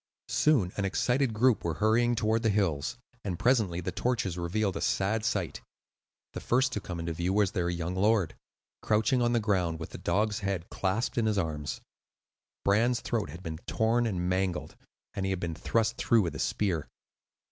Soon an excited group were hurrying toward the hills, and presently the torches revealed a sad sight. The first to come into view was their young lord, crouching on the ground, with the dog's head clasped in his arms; Bran's throat had been torn and mangled, and he had been thrust through with a spear.